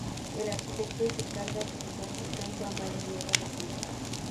El arquitecto que se encargó de su construcción fue Amando Diego Vecino.